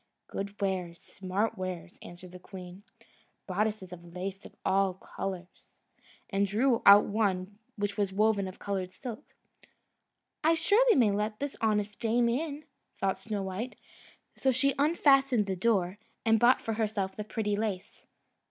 "Good wares, smart wares," answered the queen "bodice laces of all colours;" and drew out one which was woven of coloured silk. "I may surely let this honest dame in!" thought Snowdrop; so she unfastened the door, and bought for herself the pretty lace.